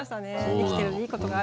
生きてるといいことがある。